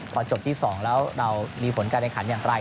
พอจบที่๒แล้วเรามีผลการแข่งขันอย่างไร